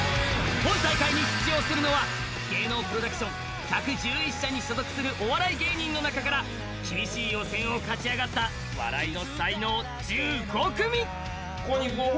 今大会に出場するのは芸能プロダクション１１１社に所属するお笑い芸人の中から厳しい予選を勝ち上がったやった。